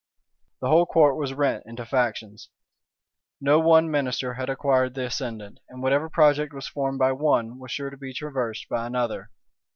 The whole court was rent into factions: no one minister had acquired the ascendant: and whatever project was formed by one, was sure to be traversed by another.